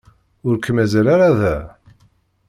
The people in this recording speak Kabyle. Ur k-mazal ara da.